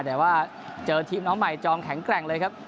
แต่ว่าเจอทีมน้องใหม่จองแข็งแกร่งเลยครับ